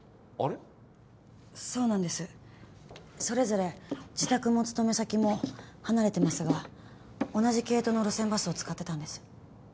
それぞれ自宅も勤め先も離れてますが同じ系統の路線バスを使ってたんです。